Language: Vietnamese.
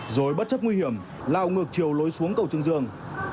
rồi bất chấp nguy hiểm lao ngược chiều lối xuống cầu trương dương